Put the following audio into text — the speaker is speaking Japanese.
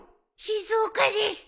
静岡です！